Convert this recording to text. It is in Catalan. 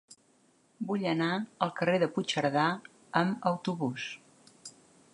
Vull anar al carrer de Puigcerdà amb autobús.